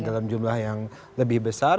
dalam jumlah yang lebih besar